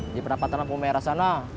dia pernah patah nampo merah sana